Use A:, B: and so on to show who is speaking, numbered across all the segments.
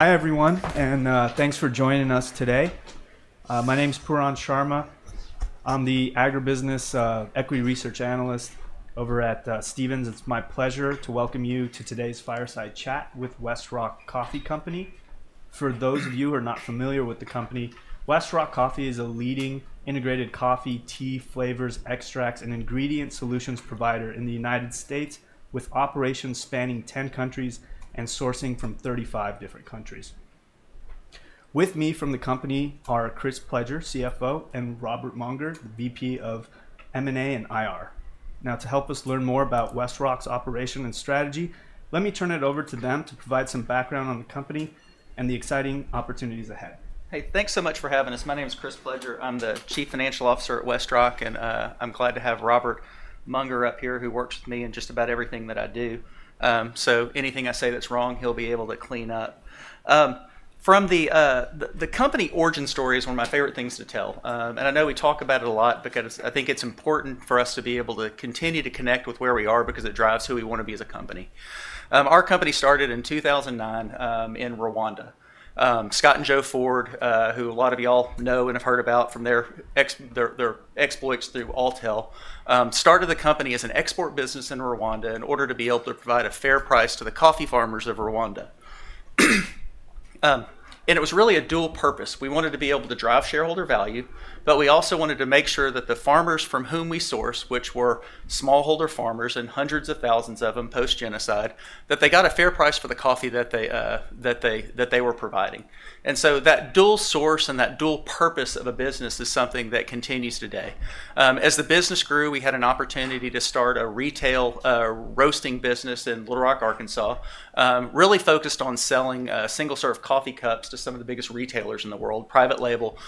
A: Hi everyone, and thanks for joining us today. My name is Pooran Sharma. I'm the Agribusiness Equity Research Analyst over at Stephens. It's my pleasure to welcome you to today's Fireside Chat with Westrock Coffee Company. For those of you who are not familiar with the company, Westrock Coffee is a leading integrated coffee, tea, flavors, extracts, and ingredient solutions provider in the United States, with operations spanning 10 countries and sourcing from 35 different countries. With me from the company are Chris Pledger, CFO, and Robert Mounger, the VP of M&A and IR. Now, to help us learn more about Westrock's operation and strategy, let me turn it over to them to provide some background on the company and the exciting opportunities ahead.
B: Hey, thanks so much for having us. My name is Chris Pledger. I'm the Chief Financial Officer at Westrock, and I'm glad to have Robert Mounger up here, who works with me in just about everything that I do, so anything I say that's wrong, he'll be able to clean up. The company origin story is one of my favorite things to tell, and I know we talk about it a lot because I think it's important for us to be able to continue to connect with where we are because it drives who we want to be as a company. Our company started in 2009 in Rwanda. Scott and Joe Ford, who a lot of y'all know and have heard about from their exploits through Alltel, started the company as an export business in Rwanda in order to be able to provide a fair price to the coffee farmers of Rwanda. And it was really a dual purpose. We wanted to be able to drive shareholder value, but we also wanted to make sure that the farmers from whom we sourced, which were smallholder farmers and hundreds of thousands of them post-genocide, that they got a fair price for the coffee that they were providing. And so that dual source and that dual purpose of a business is something that continues today. As the business grew, we had an opportunity to start a retail roasting business in Little Rock, Arkansas, really focused on selling single-serve coffee cups to some of the biggest retailers in the world, private label,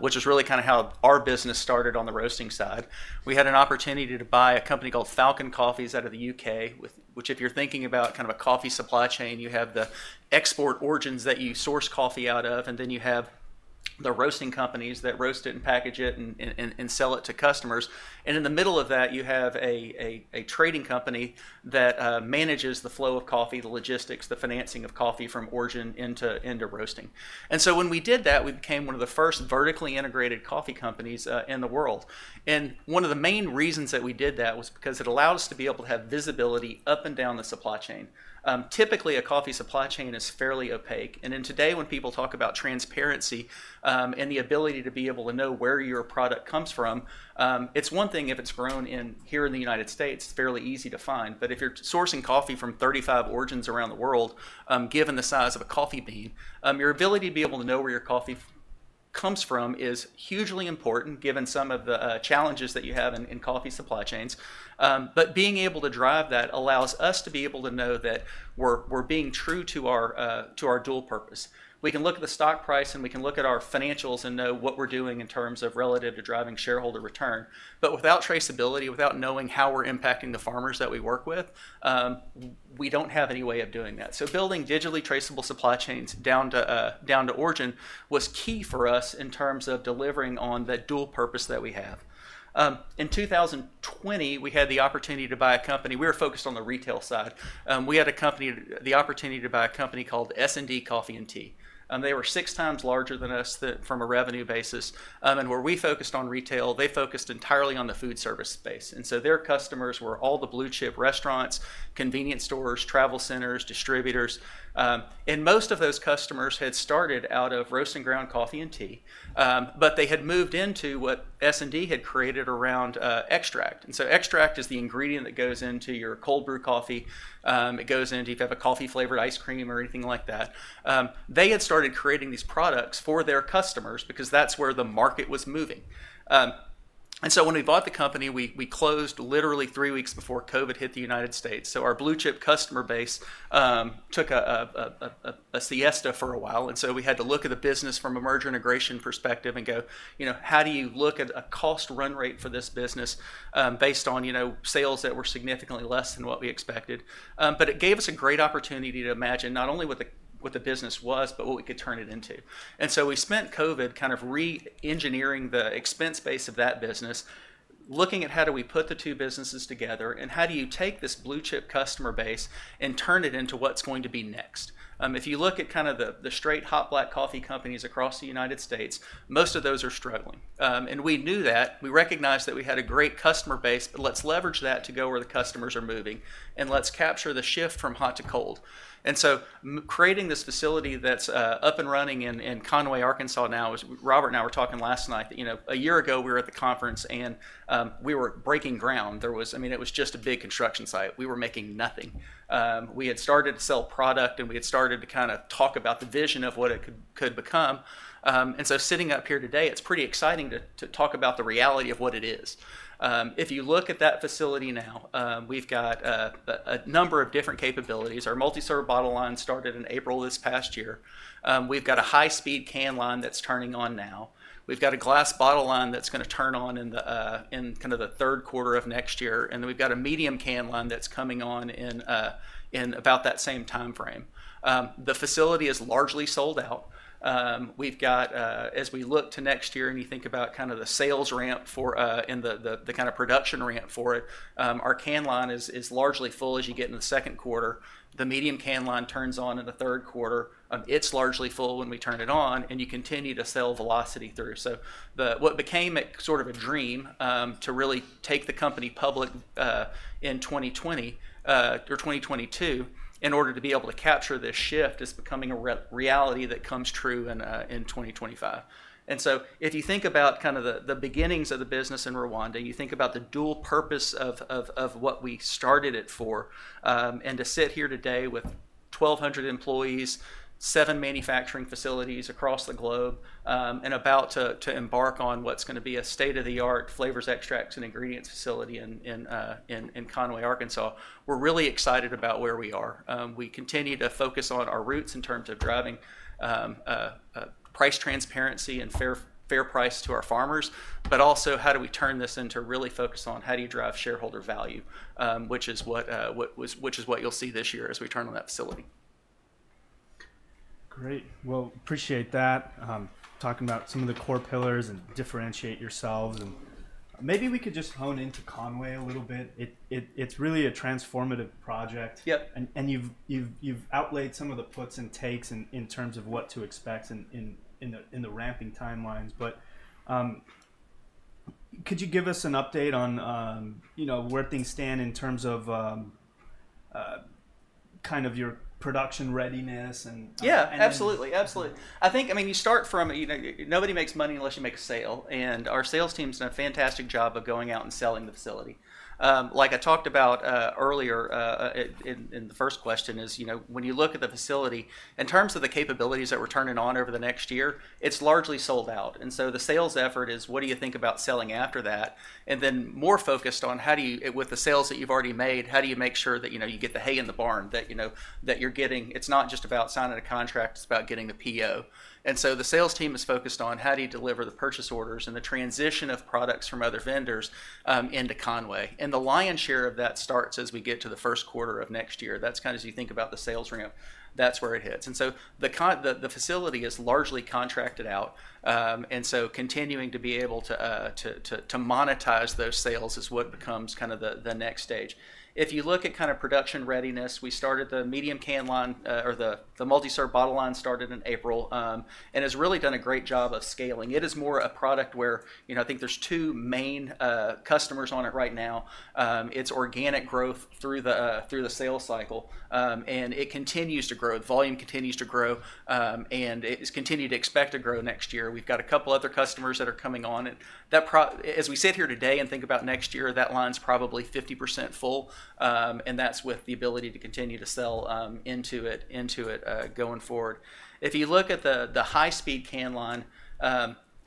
B: which is really kind of how our business started on the roasting side. We had an opportunity to buy a company called Falcon Coffees out of the U.K., which if you're thinking about kind of a coffee supply chain, you have the export origins that you source coffee out of, and then you have the roasting companies that roast it and package it and sell it to customers. And in the middle of that, you have a trading company that manages the flow of coffee, the logistics, the financing of coffee from origin into roasting. And so when we did that, we became one of the first vertically integrated coffee companies in the world. One of the main reasons that we did that was because it allowed us to be able to have visibility up and down the supply chain. Typically, a coffee supply chain is fairly opaque. And then today, when people talk about transparency and the ability to be able to know where your product comes from, it's one thing if it's grown here in the United States, it's fairly easy to find. But if you're sourcing coffee from 35 origins around the world, given the size of a coffee bean, your ability to be able to know where your coffee comes from is hugely important given some of the challenges that you have in coffee supply chains. But being able to drive that allows us to be able to know that we're being true to our dual purpose. We can look at the stock price and we can look at our financials and know what we're doing in terms of relative to driving shareholder return. But without traceability, without knowing how we're impacting the farmers that we work with, we don't have any way of doing that. So building digitally traceable supply chains down to origin was key for us in terms of delivering on that dual purpose that we have. In 2020, we had the opportunity to buy a company. We were focused on the retail side. We had the opportunity to buy a company called S&D Coffee & Tea. They were six times larger than us from a revenue basis. And where we focused on retail, they focused entirely on the food service space. And so their customers were all the blue chip restaurants, convenience stores, travel centers, distributors. And most of those customers had started out of roast and ground coffee and tea, but they had moved into what S&D had created around extract. And so extract is the ingredient that goes into your cold brew coffee. It goes into if you have a coffee-flavored ice cream or anything like that. They had started creating these products for their customers because that's where the market was moving. And so when we bought the company, we closed literally three weeks before COVID hit the United States. So our blue chip customer base took a siesta for a while. And so we had to look at the business from a merger integration perspective and go, you know, how do you look at a cost run rate for this business based on sales that were significantly less than what we expected? But it gave us a great opportunity to imagine not only what the business was, but what we could turn it into. And so we spent COVID kind of re-engineering the expense base of that business, looking at how do we put the two businesses together and how do you take this blue chip customer base and turn it into what's going to be next. If you look at kind of the straight hot black coffee companies across the United States, most of those are struggling. And we knew that. We recognized that we had a great customer base, but let's leverage that to go where the customers are moving and let's capture the shift from hot to cold. And so creating this facility that's up and running in Conway, Arkansas now, Robert and I were talking last night. A year ago, we were at the conference and we were breaking ground. I mean, it was just a big construction site. We were making nothing. We had started to sell product and we had started to kind of talk about the vision of what it could become. And so sitting up here today, it's pretty exciting to talk about the reality of what it is. If you look at that facility now, we've got a number of different capabilities. Our multi-serve bottle line started in April this past year. We've got a high-speed can line that's turning on now. We've got a glass bottle line that's going to turn on in kind of the third quarter of next year. And then we've got a medium can line that's coming on in about that same time frame. The facility is largely sold out. As we look to next year and you think about kind of the sales ramp and the kind of production ramp for it, our can line is largely full as you get into the second quarter. The medium can line turns on in the third quarter. It's largely full when we turn it on and you continue to sell velocity through. So what became sort of a dream to really take the company public in 2020 or 2022 in order to be able to capture this shift is becoming a reality that comes true in 2025. And so if you think about kind of the beginnings of the business in Rwanda, you think about the dual purpose of what we started it for. And to sit here today with 1,200 employees, seven manufacturing facilities across the globe, and about to embark on what's going to be a state-of-the-art flavors, extracts, and ingredients facility in Conway, Arkansas, we're really excited about where we are. We continue to focus on our roots in terms of driving price transparency and fair price to our farmers, but also how do we turn this into really focus on how do you drive shareholder value, which is what you'll see this year as we turn on that facility.
A: Great. Well, appreciate that. Talking about some of the core pillars and differentiate yourselves. And maybe we could just hone into Conway a little bit. It's really a transformative project. And you've outlaid some of the puts and takes in terms of what to expect in the ramping timelines. But could you give us an update on where things stand in terms of kind of your production readiness and?
B: Yeah, absolutely. Absolutely. I think, I mean, you start from nobody makes money unless you make a sale. And our sales team's done a fantastic job of going out and selling the facility. Like I talked about earlier in the first question is when you look at the facility, in terms of the capabilities that we're turning on over the next year, it's largely sold out. And so the sales effort is what do you think about selling after that? And then more focused on how do you, with the sales that you've already made, how do you make sure that you get the hay in the barn that you're getting? It's not just about signing a contract, it's about getting the PO. And so the sales team is focused on how do you deliver the purchase orders and the transition of products from other vendors into Conway. And the lion's share of that starts as we get to the first quarter of next year. That's kind of as you think about the sales ramp, that's where it hits. And so the facility is largely contracted out. And so continuing to be able to monetize those sales is what becomes kind of the next stage. If you look at kind of production readiness, we started the medium can line or the multi-serve bottle line started in April and has really done a great job of scaling. It is more a product where I think there's two main customers on it right now. It's organic growth through the sales cycle and it continues to grow. The volume continues to grow and it is continued to expect to grow next year. We've got a couple of other customers that are coming on. As we sit here today and think about next year, that line's probably 50% full. And that's with the ability to continue to sell into it going forward. If you look at the high-speed can line,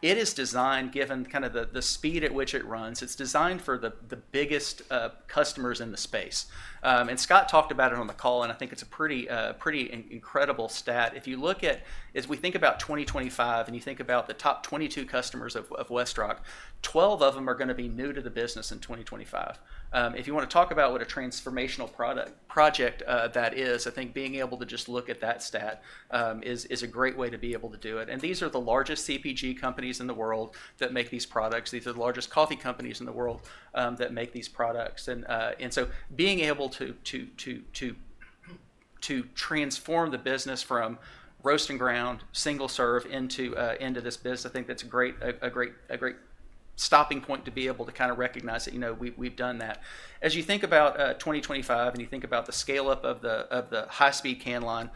B: it is designed given kind of the speed at which it runs. It's designed for the biggest customers in the space. And Scott talked about it on the call and I think it's a pretty incredible stat. If you look at, as we think about 2025 and you think about the top 22 customers of Westrock, 12 of them are going to be new to the business in 2025. If you want to talk about what a transformational project that is, I think being able to just look at that stat is a great way to be able to do it. These are the largest CPG companies in the world that make these products. These are the largest coffee companies in the world that make these products. So being able to transform the business from roast and ground single serve into this business, I think that's a great stopping point to be able to kind of recognize that we've done that. As you think about 2025 and you think about the scale-up of the high-speed can line,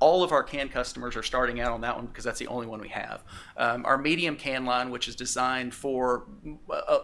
B: all of our can customers are starting out on that one because that's the only one we have. Our medium can line, which is designed for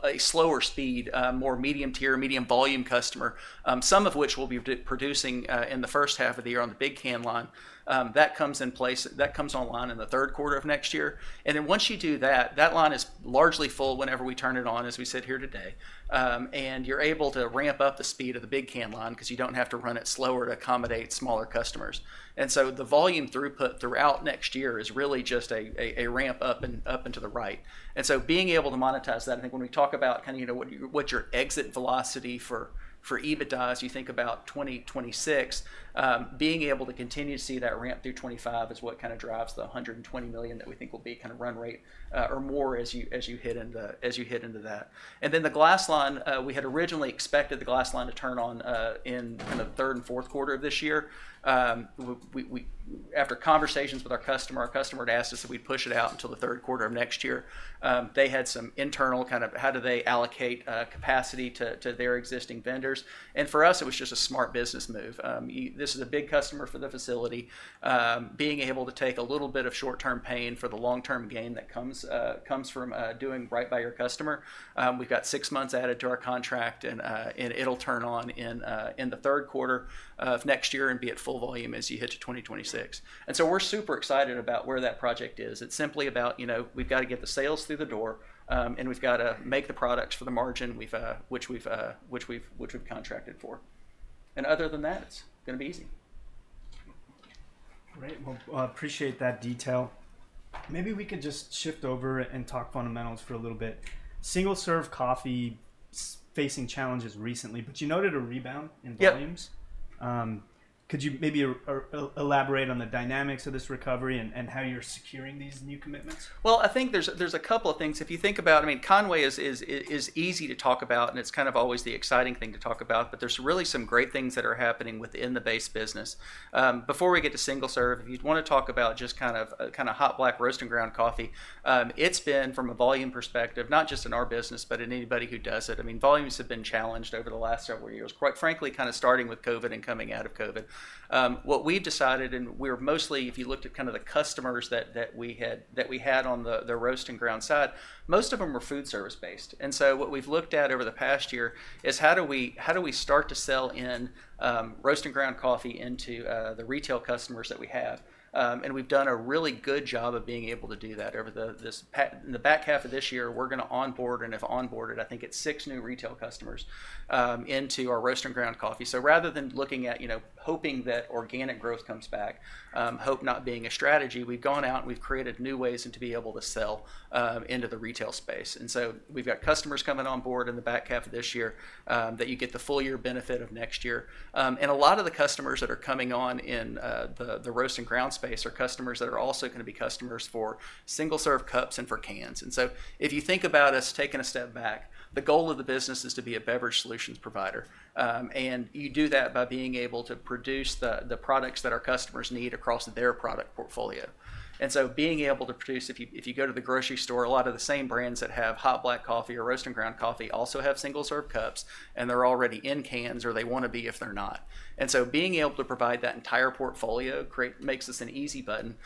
B: a slower speed, more medium tier, medium volume customer, some of which will be producing in the first half of the year on the big can line, that comes in place, that comes online in the third quarter of next year. And then once you do that, that line is largely full whenever we turn it on as we sit here today. And you're able to ramp up the speed of the big can line because you don't have to run it slower to accommodate smaller customers. And so the volume throughput throughout next year is really just a ramp up and up and to the right. And so being able to monetize that, I think when we talk about kind of what your exit velocity for EBITDA is, you think about 2026, being able to continue to see that ramp through 2025 is what kind of drives the $120 million that we think will be kind of run rate or more as you hit into that. And then the glass line, we had originally expected the glass line to turn on in the third and fourth quarter of this year. After conversations with our customer, our customer had asked us if we'd push it out until the third quarter of next year. They had some internal kind of how do they allocate capacity to their existing vendors, and for us, it was just a smart business move. This is a big customer for the facility, being able to take a little bit of short-term pain for the long-term gain that comes from doing right by your customer. We've got six months added to our contract and it'll turn on in the third quarter of next year and be at full volume as you head to 2026, and so we're super excited about where that project is. It's simply about, we've got to get the sales through the door, and we've got to make the products for the margin which we've contracted for. Other than that, it's going to be easy.
A: Great. Well, appreciate that detail. Maybe we could just shift over and talk fundamentals for a little bit. Single serve coffee facing challenges recently, but you noted a rebound in volumes. Could you maybe elaborate on the dynamics of this recovery and how you're securing these new commitments?
B: I think there's a couple of things. If you think about, I mean, Conway is easy to talk about and it's kind of always the exciting thing to talk about, but there's really some great things that are happening within the base business. Before we get to single-serve, if you'd want to talk about just kind of hot black roast and ground coffee, it's been from a volume perspective, not just in our business, but in anybody who does it. I mean, volumes have been challenged over the last several years, quite frankly, kind of starting with COVID and coming out of COVID. What we've decided, and we're mostly, if you looked at kind of the customers that we had on the roast and ground side, most of them were food service based. What we've looked at over the past year is how do we start to sell in roast and ground coffee into the retail customers that we have. And we've done a really good job of being able to do that over the back half of this year. We're going to onboard and have onboarded, I think it's six new retail customers into our roast and ground coffee. So rather than looking at hoping that organic growth comes back, hope not being a strategy, we've gone out and we've created new ways to be able to sell into the retail space. And so we've got customers coming on board in the back half of this year that you get the full year benefit of next year. And a lot of the customers that are coming on in the roast and ground space are customers that are also going to be customers for single serve cups and for cans. And so if you think about us taking a step back, the goal of the business is to be a beverage solutions provider. And you do that by being able to produce the products that our customers need across their product portfolio. And so being able to produce, if you go to the grocery store, a lot of the same brands that have hot black coffee or roast and ground coffee also have single serve cups and they're already in cans or they want to be if they're not. Being able to provide that entire portfolio makes us an easy button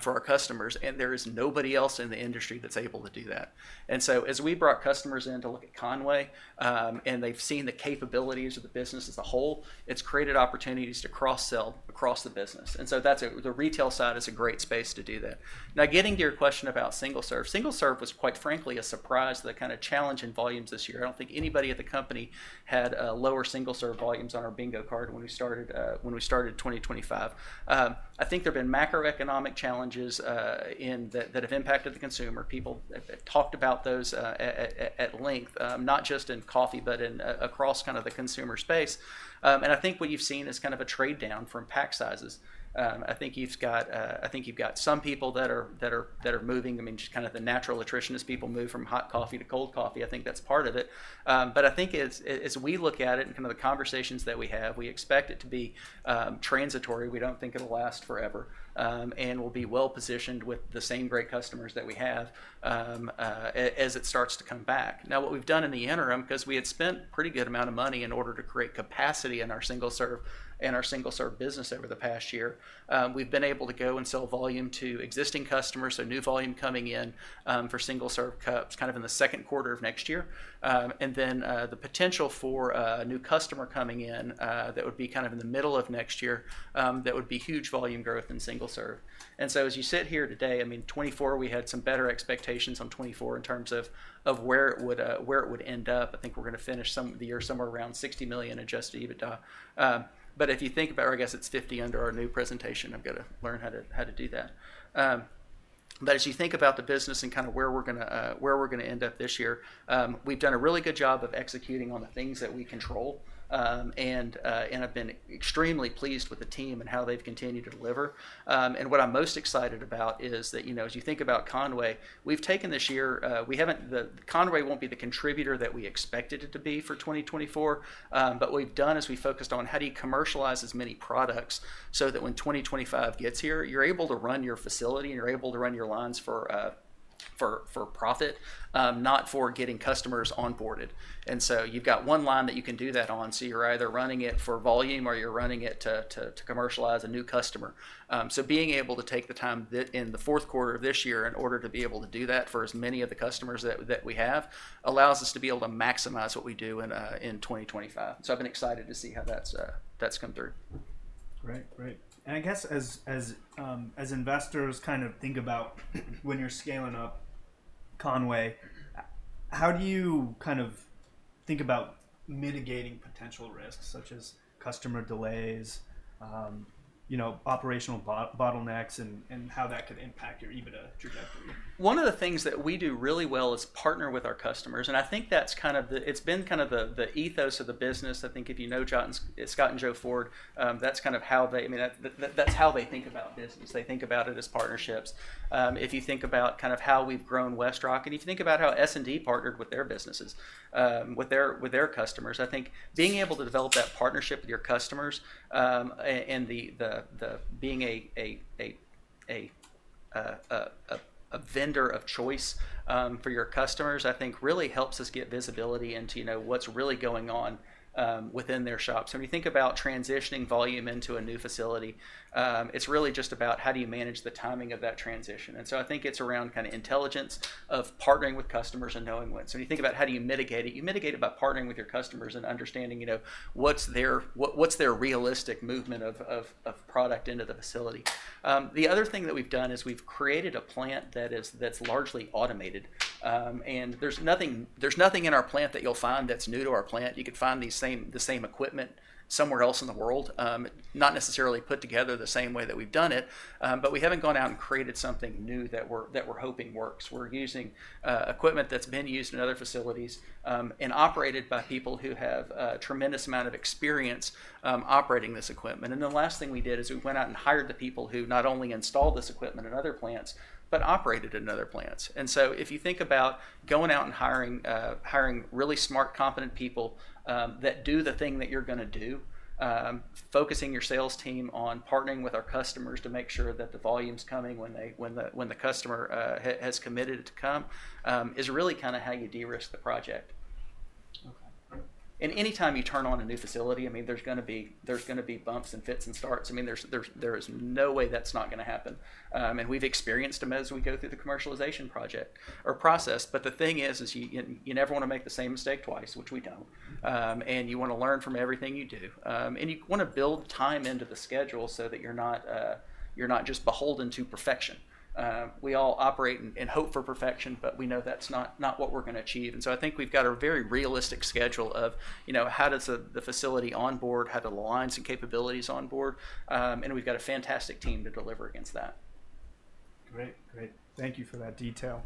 B: for our customers, and there is nobody else in the industry that's able to do that. As we brought customers in to look at Conway and they've seen the capabilities of the business as a whole, it's created opportunities to cross-sell across the business. The retail side is a great space to do that. Now, getting to your question about single serve, single serve was quite frankly a surprise to the kind of challenge in volumes this year. I don't think anybody at the company had lower single serve volumes on our bingo card when we started 2025. I think there have been macroeconomic challenges that have impacted the consumer. People have talked about those at length, not just in coffee, but across kind of the consumer space. And I think what you've seen is kind of a trade down from pack sizes. I think you've got some people that are moving, I mean, just kind of the natural attrition as people move from hot coffee to cold coffee. I think that's part of it. But I think as we look at it and kind of the conversations that we have, we expect it to be transitory. We don't think it'll last forever and we'll be well positioned with the same great customers that we have as it starts to come back. Now, what we've done in the interim, because we had spent a pretty good amount of money in order to create capacity in our single serve business over the past year, we've been able to go and sell volume to existing customers. New volume is coming in for single-serve cups kind of in the second quarter of next year. And then the potential for a new customer coming in that would be kind of in the middle of next year, that would be huge volume growth in single-serve. And so as you sit here today, I mean, 2024, we had some better expectations on 2024 in terms of where it would end up. I think we're going to finish the year somewhere around $60 million Adjusted EBITDA. But if you think about, I guess it's $50 million under our new presentation. I've got to learn how to do that. But as you think about the business and kind of where we're going to end up this year, we've done a really good job of executing on the things that we control. I've been extremely pleased with the team and how they've continued to deliver. What I'm most excited about is that as you think about Conway, we've taken this year. Conway won't be the contributor that we expected it to be for 2024, but what we've done is we focused on how do you commercialize as many products so that when 2025 gets here, you're able to run your facility and you're able to run your lines for profit, not for getting customers onboarded. So you've got one line that you can do that on. You're either running it for volume or you're running it to commercialize a new customer. So being able to take the time in the fourth quarter of this year in order to be able to do that for as many of the customers that we have allows us to be able to maximize what we do in 2025. So I've been excited to see how that's come through.
A: Great. Great. And I guess as investors kind of think about when you're scaling up Conway, how do you kind of think about mitigating potential risks such as customer delays, operational bottlenecks, and how that could impact your EBITDA trajectory?
B: One of the things that we do really well is partner with our customers. And I think that's kind of the, it's been kind of the ethos of the business. I think if you know Scott and Joe Ford, that's kind of how they, I mean, that's how they think about business. They think about it as partnerships. If you think about kind of how we've grown Westrock, and if you think about how S&D partnered with their businesses, with their customers, I think being able to develop that partnership with your customers and being a vendor of choice for your customers, I think really helps us get visibility into what's really going on within their shops. So when you think about transitioning volume into a new facility, it's really just about how do you manage the timing of that transition. And so, I think it's around kind of intelligence of partnering with customers and knowing when. So when you think about how do you mitigate it, you mitigate it by partnering with your customers and understanding what's their realistic movement of product into the facility. The other thing that we've done is we've created a plant that's largely automated. And there's nothing in our plant that you'll find that's new to our plant. You could find the same equipment somewhere else in the world, not necessarily put together the same way that we've done it, but we haven't gone out and created something new that we're hoping works. We're using equipment that's been used in other facilities and operated by people who have a tremendous amount of experience operating this equipment. The last thing we did is we went out and hired the people who not only installed this equipment in other plants, but operated in other plants. So if you think about going out and hiring really smart, competent people that do the thing that you're going to do, focusing your sales team on partnering with our customers to make sure that the volume's coming when the customer has committed to come is really kind of how you de-risk the project. Anytime you turn on a new facility, I mean, there's going to be bumps and fits and starts. I mean, there is no way that's not going to happen. We've experienced them as we go through the commercialization project or process. The thing is, you never want to make the same mistake twice, which we don't. You want to learn from everything you do. You want to build time into the schedule so that you're not just beholden to perfection. We all operate and hope for perfection, but we know that's not what we're going to achieve. I think we've got a very realistic schedule of how the facility onboards, how the lines and capabilities onboard. We've got a fantastic team to deliver against that.
A: Great. Great. Thank you for that detail.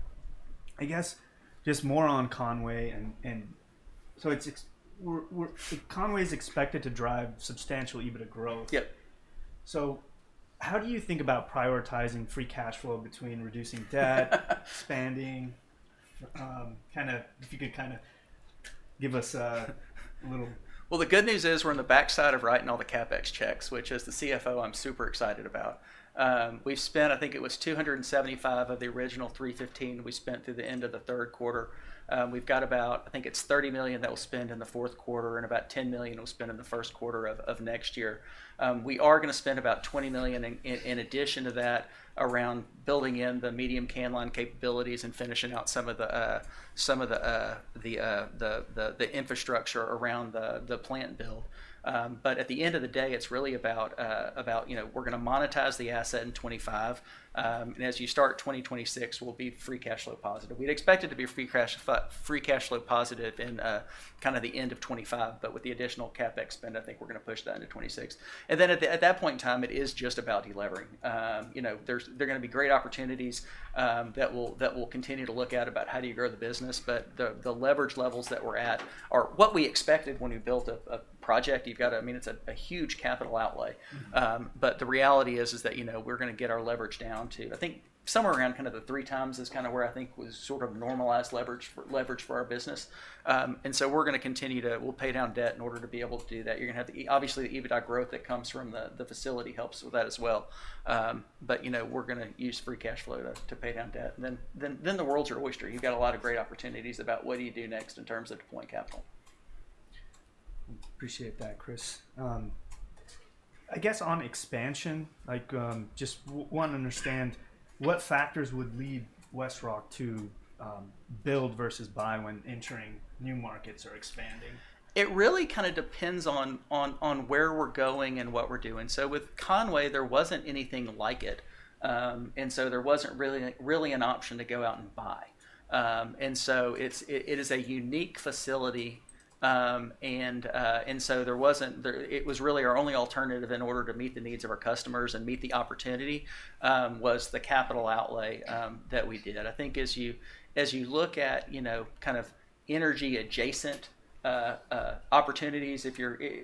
A: I guess just more on Conway, and so Conway is expected to drive substantial EBITDA growth, so how do you think about prioritizing free cash flow between reducing debt, spending, kind of if you could kind of give us a little?
B: The good news is we're on the backside of writing all the CapEx checks, which as the CFO, I'm super excited about. We've spent, I think it was $275 million of the original $315 million we spent through the end of the third quarter. We've got about, I think it's $30 million that we'll spend in the fourth quarter and about $10 million we'll spend in the first quarter of next year. We are going to spend about $20 million in addition to that around building in the medium can line capabilities and finishing out some of the infrastructure around the plant build. But at the end of the day, it's really about we're going to monetize the asset in 2025. As you start 2026, we'll be free cash flow positive. We'd expect it to be free cash flow positive in kind of the end of 2025, but with the additional CapEx spend, I think we're going to push that into 2026. And then at that point in time, it is just about delivering. There are going to be great opportunities that we'll continue to look at about how do you grow the business, but the leverage levels that we're at are what we expected when we built a project. I mean, it's a huge capital outlay. But the reality is that we're going to get our leverage down to, I think somewhere around kind of the three times is kind of where I think was sort of normalized leverage for our business. And so we're going to continue to, we'll pay down debt in order to be able to do that. You're going to have to, obviously, the EBITDA growth that comes from the facility helps with that as well. But we're going to use free cash flow to pay down debt. Then the world's your oyster. You've got a lot of great opportunities about what do you do next in terms of deploying capital.
A: Appreciate that, Chris. I guess on expansion, I just want to understand what factors would lead Westrock to build versus buy when entering new markets or expanding?
B: It really kind of depends on where we're going and what we're doing. So with Conway, there wasn't anything like it. And so there wasn't really an option to go out and buy. And so it was really our only alternative in order to meet the needs of our customers and meet the opportunity, was the capital outlay that we did. I think as you look at kind of energy-adjacent opportunities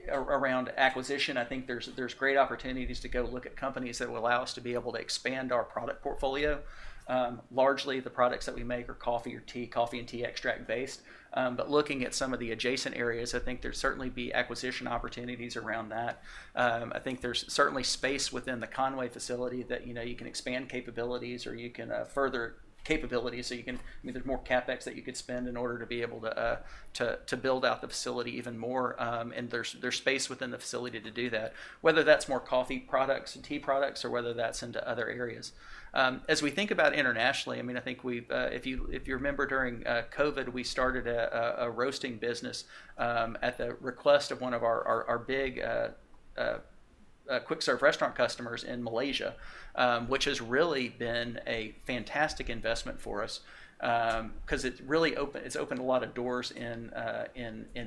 B: around acquisition, I think there's great opportunities to go look at companies that will allow us to be able to expand our product portfolio. Largely, the products that we make are coffee and tea, coffee and tea extract based. But looking at some of the adjacent areas, I think there's certainly be acquisition opportunities around that. I think there's certainly space within the Conway facility that you can expand capabilities or you can further capabilities. So there's more CapEx that you could spend in order to be able to build out the facility even more. And there's space within the facility to do that, whether that's more coffee products and tea products or whether that's into other areas. As we think about internationally, I mean, I think if you remember during COVID, we started a roasting business at the request of one of our big quick serve restaurant customers in Malaysia, which has really been a fantastic investment for us because it's opened a lot of doors in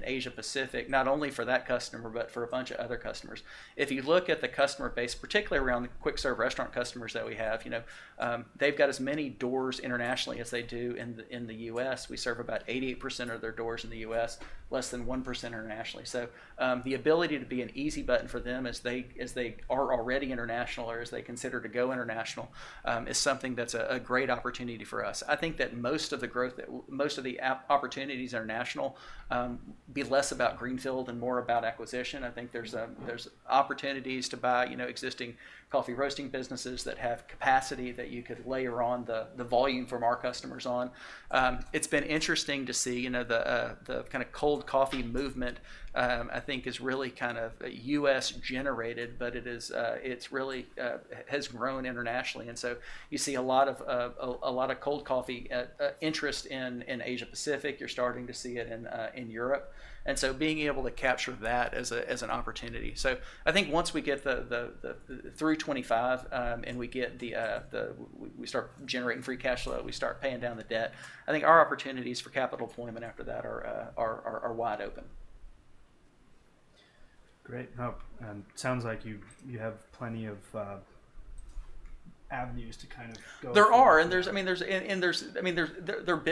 B: Asia Pacific, not only for that customer, but for a bunch of other customers. If you look at the customer base, particularly around the quick serve restaurant customers that we have, they've got as many doors internationally as they do in the U.S. We serve about 88% of their doors in the U.S., less than 1% internationally. So the ability to be an easy button for them as they are already international or as they consider to go international is something that's a great opportunity for us. I think that most of the growth, most of the opportunities are national, be less about greenfield and more about acquisition. I think there's opportunities to buy existing coffee roasting businesses that have capacity that you could layer on the volume from our customers on. It's been interesting to see the kind of cold coffee movement, I think is really kind of U.S.-generated, but it really has grown internationally. And so you see a lot of cold coffee interest in Asia Pacific. You're starting to see it in Europe. And so being able to capture that as an opportunity. So I think once we get through 2025 and we start generating free cash flow, we start paying down the debt. I think our opportunities for capital deployment after that are wide open.
A: Great. Sounds like you have plenty of avenues to kind of go.
B: There are. I mean, there's been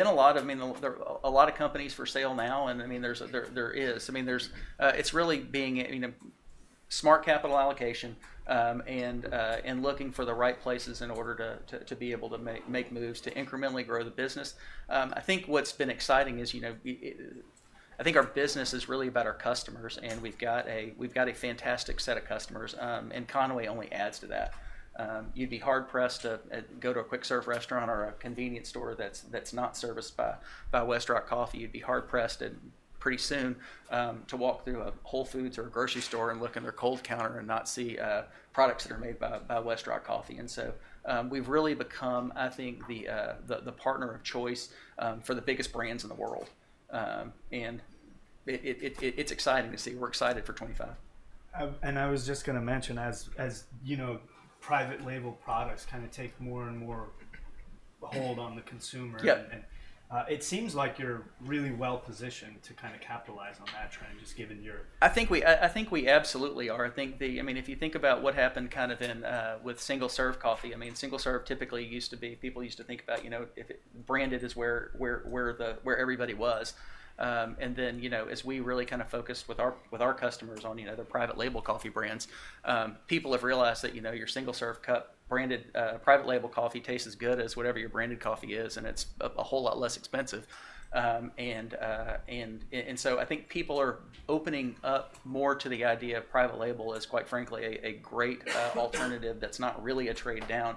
B: a lot of, I mean, a lot of companies for sale now. I mean, it's really being smart capital allocation and looking for the right places in order to be able to make moves to incrementally grow the business. I think what's been exciting is I think our business is really about our customers. We've got a fantastic set of customers. Conway only adds to that. You'd be hard-pressed to go to a quick serve restaurant or a convenience store that's not serviced by Westrock Coffee. You'd be hard-pressed pretty soon to walk through a Whole Foods or a grocery store and look in their cold counter and not see products that are made by Westrock Coffee. We've really become, I think, the partner of choice for the biggest brands in the world. It's exciting to see. We're excited for 2025.
A: I was just going to mention, as private label products kind of take more and more hold on the consumer, it seems like you're really well-positioned to kind of capitalize on that trend just given your.
B: I think we absolutely are. I mean, if you think about what happened kind of with single serve coffee, I mean, single serve typically used to be, people used to think about branded is where everybody was. And then as we really kind of focused with our customers on their private label coffee brands, people have realized that your single serve cup branded private label coffee tastes as good as whatever your branded coffee is, and it's a whole lot less expensive. And so I think people are opening up more to the idea of private label as, quite frankly, a great alternative that's not really a trade down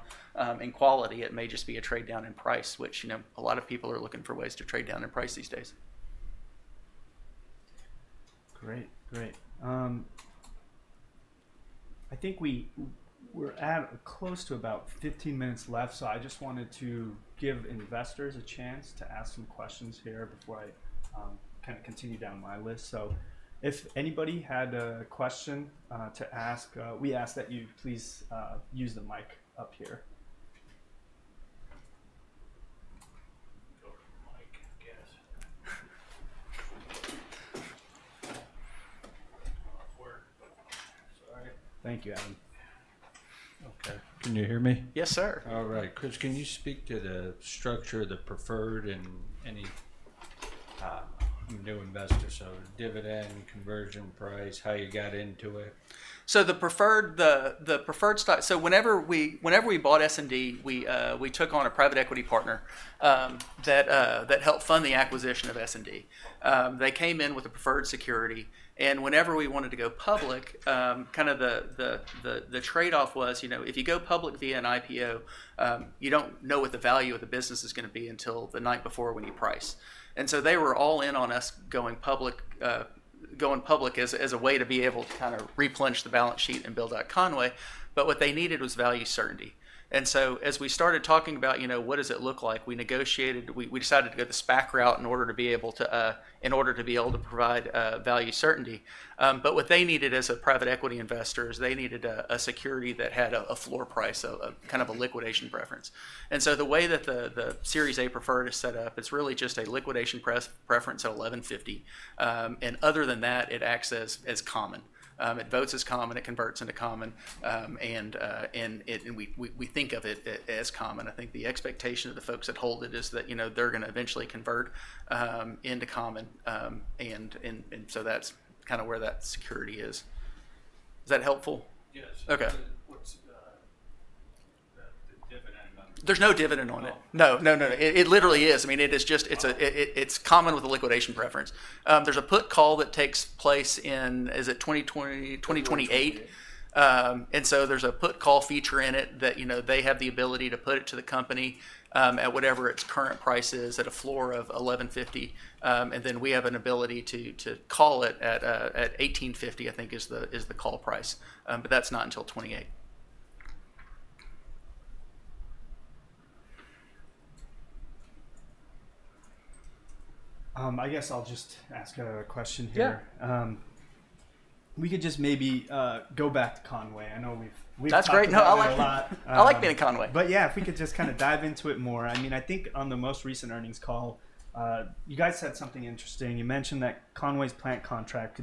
B: in quality. It may just be a trade down in price, which a lot of people are looking for ways to trade down in price these days.
A: Great. Great. I think we're close to about 15 minutes left. So I just wanted to give investors a chance to ask some questions here before I kind of continue down my list. So if anybody had a question to ask, we ask that you please use the mic up here. Go to the mic, I guess. Off work. Sorry.
B: Thank you, Adam. Okay. Can you hear me? Yes, sir. All right. Chris, can you speak to the structure, the preferred, and any new investor, so dividend, conversion price, how you got into it. The preferred stock. So whenever we bought S&D, we took on a private equity partner that helped fund the acquisition of S&D. They came in with a preferred security. And whenever we wanted to go public, kind of the trade-off was if you go public via an IPO, you don't know what the value of the business is going to be until the night before when you price. And so they were all in on us going public as a way to be able to kind of replenish the balance sheet and build out Conway. But what they needed was value certainty. And so as we started talking about what does it look like, we negotiated. We decided to go the SPAC route in order to be able to provide value certainty. But what they needed as a private equity investor is they needed a security that had a floor price, kind of a liquidation preference. And so the way that the Series A preferred is set up, it's really just a liquidation preference at $11.50. And other than that, it acts as common. It votes as common. It converts into common. And we think of it as common. I think the expectation of the folks that hold it is that they're going to eventually convert into common. And so that's kind of where that security is. Is that helpful? Yes. Okay. What's the dividend number? There's no dividend on it. No, no, no. It literally is. I mean, it's common with a liquidation preference. There's a put call that takes place in, is it 2028? And so there's a put call feature in it that they have the ability to put it to the company at whatever its current price is at a floor of $11.50. And then we have an ability to call it at $18.50, I think is the call price. But that's not until 2028.
A: I guess I'll just ask a question here. We could just maybe go back to Conway. I know we've talked a lot.
B: That's great. No, I like being at Conway.
A: But yeah, if we could just kind of dive into it more. I mean, I think on the most recent earnings call, you guys said something interesting. You mentioned that Conway's plant contract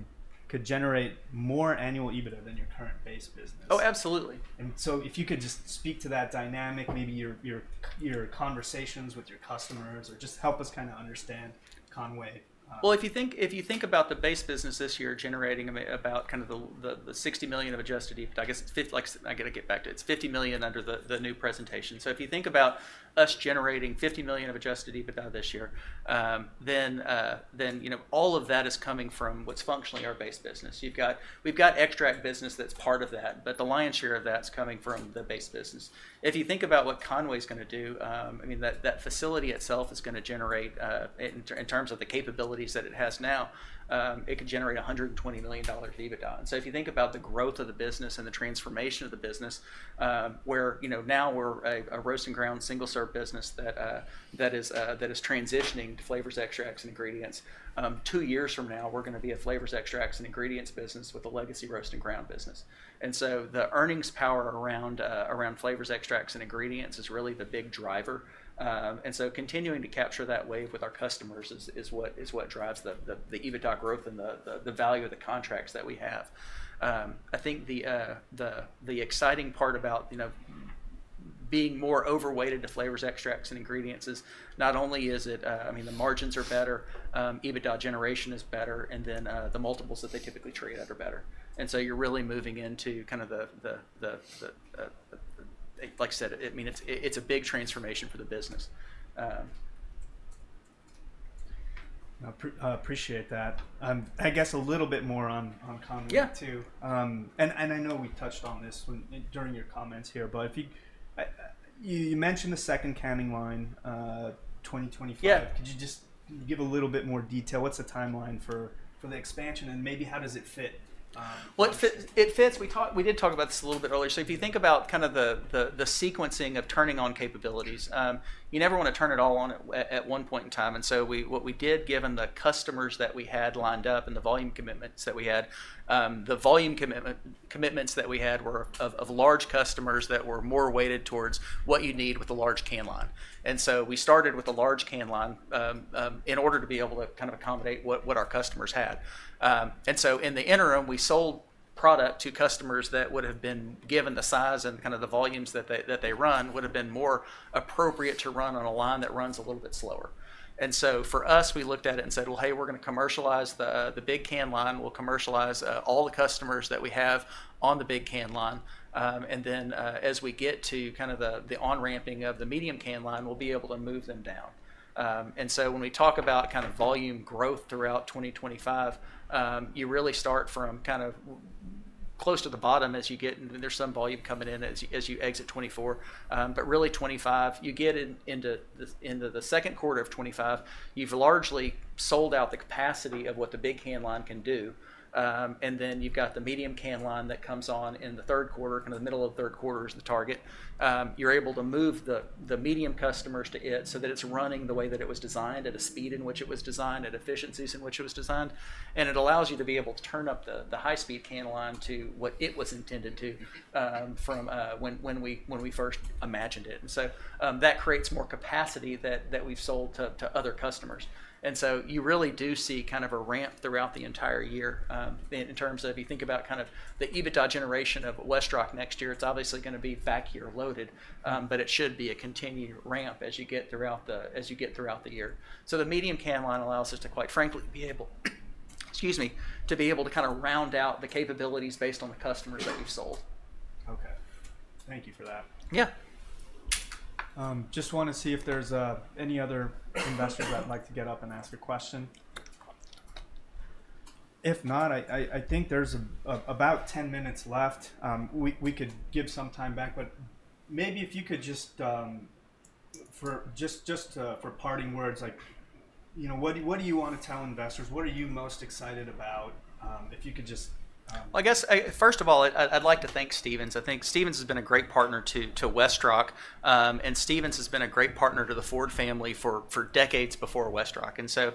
A: could generate more annual EBITDA than your current base business.
B: Oh, absolutely.
A: And so if you could just speak to that dynamic, maybe your conversations with your customers or just help us kind of understand Conway?
B: If you think about the base business this year generating about kind of the $60 million of Adjusted EBITDA, I guess I got to get back to it. It's $50 million under the new presentation, so if you think about us generating $50 million of Adjusted EBITDA this year, then all of that is coming from what's functionally our base business. We've got extract business that's part of that, but the lion's share of that's coming from the base business. If you think about what Conway's going to do, I mean, that facility itself is going to generate in terms of the capabilities that it has now, it could generate $120 million of EBITDA. And so if you think about the growth of the business and the transformation of the business, where now we're a roasting ground single serve business that is transitioning to flavors, extracts, and ingredients, two years from now, we're going to be a flavors, extracts, and ingredients business with a legacy roasting ground business. And so the earnings power around flavors, extracts, and ingredients is really the big driver. And so continuing to capture that wave with our customers is what drives the EBITDA growth and the value of the contracts that we have. I think the exciting part about being more overweighted to flavors, extracts, and ingredients is not only is it, I mean, the margins are better, EBITDA generation is better, and then the multiples that they typically trade out are better. And so you're really moving into kind of the, like I said, I mean, it's a big transformation for the business.
A: I appreciate that. I guess a little bit more on Conway too. And I know we touched on this during your comments here, but you mentioned the second canning line 2025. Could you just give a little bit more detail? What's the timeline for the expansion and maybe how does it fit?
B: It fits. We did talk about this a little bit earlier, so if you think about kind of the sequencing of turning on capabilities, you never want to turn it all on at one point in time, and so what we did, given the customers that we had lined up and the volume commitments that we had, the volume commitments that we had were of large customers that were more weighted towards what you need with a large can line, and so we started with a large can line in order to be able to kind of accommodate what our customers had, and so in the interim, we sold product to customers that would have been given the size and kind of the volumes that they run would have been more appropriate to run on a line that runs a little bit slower. And so for us, we looked at it and said, "Well, hey, we're going to commercialize the big can line. We'll commercialize all the customers that we have on the big can line. And then as we get to kind of the on-ramping of the medium can line, we'll be able to move them down." And so when we talk about kind of volume growth throughout 2025, you really start from kind of close to the bottom as you get in. There's some volume coming in as you exit 2024. But really 2025, you get into the second quarter of 2025, you've largely sold out the capacity of what the big can line can do. And then you've got the medium can line that comes on in the third quarter, kind of the middle of the third quarter is the target. You're able to move the medium customers to it so that it's running the way that it was designed, at a speed in which it was designed, at efficiencies in which it was designed. And it allows you to be able to turn up the high-speed can line to what it was intended to from when we first imagined it. And so that creates more capacity that we've sold to other customers. And so you really do see kind of a ramp throughout the entire year in terms of if you think about kind of the EBITDA generation of Westrock next year, it's obviously going to be back here loaded, but it should be a continued ramp as you get throughout the year. So the medium can line allows us to, quite frankly, be able to kind of round out the capabilities based on the customers that we've sold.
A: Okay. Thank you for that.
B: Yeah.
A: Just want to see if there's any other investors that'd like to get up and ask a question. If not, I think there's about 10 minutes left. We could give some time back, but maybe if you could just for parting words, what do you want to tell investors? What are you most excited about? If you could just.
B: I guess first of all, I'd like to thank Stephens. I think Stephens has been a great partner to Westrock. And Stephens has been a great partner to the Ford family for decades before Westrock. And so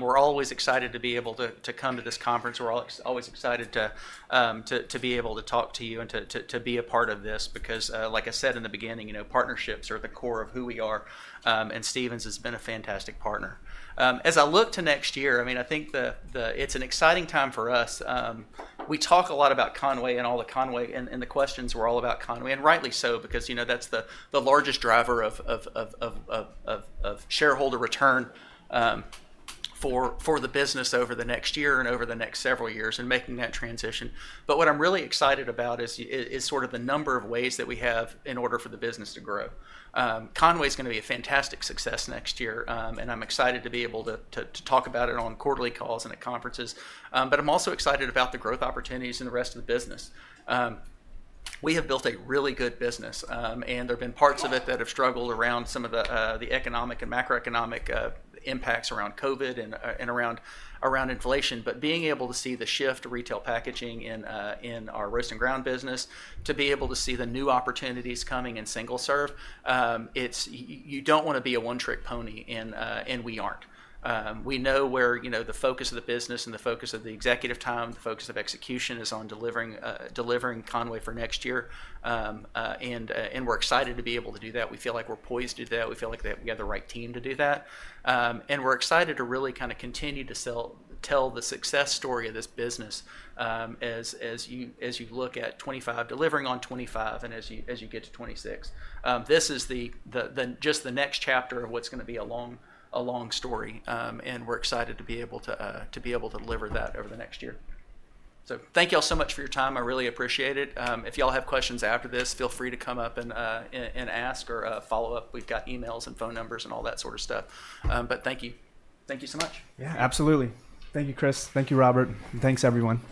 B: we're always excited to be able to come to this conference. We're always excited to be able to talk to you and to be a part of this because, like I said in the beginning, partnerships are at the core of who we are. And Stephens has been a fantastic partner. As I look to next year, I mean, I think it's an exciting time for us. We talk a lot about Conway and all the Conway, and the questions were all about Conway. And rightly so because that's the largest driver of shareholder return for the business over the next year and over the next several years and making that transition. But what I'm really excited about is sort of the number of ways that we have in order for the business to grow. Conway is going to be a fantastic success next year. And I'm excited to be able to talk about it on quarterly calls and at conferences. But I'm also excited about the growth opportunities in the rest of the business. We have built a really good business. And there have been parts of it that have struggled around some of the economic and macroeconomic impacts around COVID and around inflation. But being able to see the shift to retail packaging in our roast and ground business, to be able to see the new opportunities coming in single-serve, you don't want to be a one-trick pony, and we aren't. We know where the focus of the business and the focus of the executive time, the focus of execution is on delivering Conway for next year. And we're excited to be able to do that. We feel like we're poised to do that. We feel like we have the right team to do that. And we're excited to really kind of continue to tell the success story of this business as you look at 2025, delivering on 2025, and as you get to 2026. This is just the next chapter of what's going to be a long story. And we're excited to be able to deliver that over the next year. So thank you all so much for your time. I really appreciate it. If y'all have questions after this, feel free to come up and ask or follow up. We've got emails and phone numbers and all that sort of stuff. But thank you. Thank you so much.
A: Yeah, absolutely. Thank you, Chris. Thank you, Robert, and thanks, everyone.